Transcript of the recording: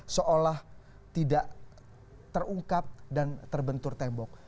seolah tidak terungkap dan terbentur tembok